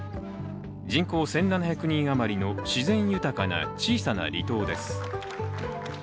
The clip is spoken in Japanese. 人口１７００人余りの自然豊かな小さな離島です。